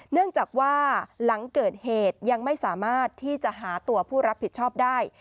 เนื่องจากว่าหลังเกิดเหตุยังไม่สามารถที่จะหาตัวผู้รับผิดชอบได้